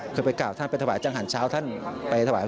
คือไปกล่าวท่านไปถวายจังหันเช้าท่านไปถวาย